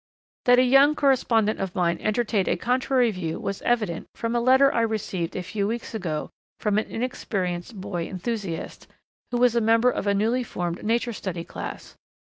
That a young correspondent of mine entertained a contrary view was evident from a letter I received a few weeks ago from an inexperienced boy enthusiast, who was a member of a newly formed nature study class.